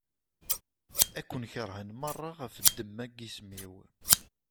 Ad ken-keṛhen meṛṛa ɣef ddemma n yisem-iw.